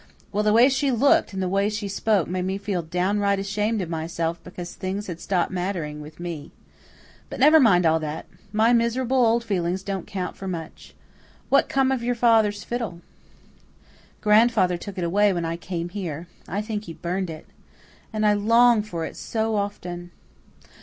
Well, the way she looked and the way she spoke made me feel downright ashamed of myself because things had stopped mattering with me. But never mind all that. My miserable old feelings don't count for much. What come of your father's fiddle?" "Grandfather took it away when I came here. I think he burned it. And I long for it so often."